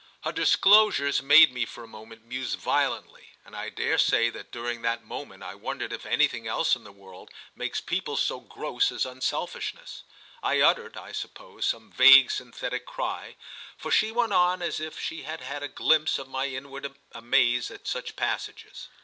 Her disclosure made me for a moment muse violently, and I dare say that during that moment I wondered if anything else in the world makes people so gross as unselfishness. I uttered, I suppose, some vague synthetic cry, for she went on as if she had had a glimpse of my inward amaze at such passages.